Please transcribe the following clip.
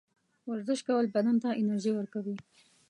ورزش کول بدن ته انرژي ورکوي.